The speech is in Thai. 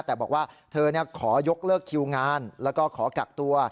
แต่บอกว่าเธอขอยกเลิกคิวงานแล้วก็ขอกักตัว